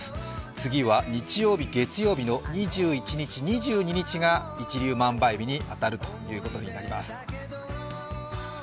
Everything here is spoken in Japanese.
次は日曜日、月曜日に２１日、２２日が一粒万倍日に当たるということになります。